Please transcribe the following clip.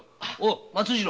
松次郎！